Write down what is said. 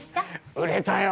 売れたよ！